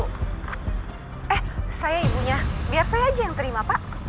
eh saya ibunya biar saya aja yang terima pak